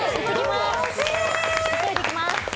急いできます。